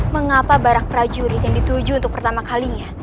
mengapa barak prajurit yang dituju untuk pertama kalinya